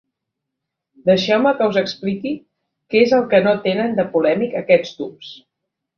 Deixeu-me que us expliqui què és el que no tenen de polèmic aquests tubs.